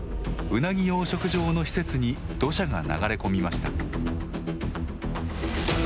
ウナギ養殖場の施設に土砂が流れ込みました。